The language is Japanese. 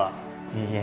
いいえ